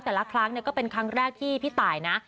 แต่ละครั้งก็เป็นครั้งแรกที่พี่ตายนะ